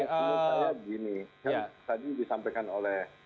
yang tadi disampaikan oleh